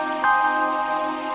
ibu belum terima